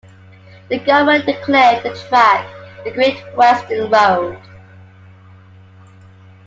The Government declared the track the Great Western Road.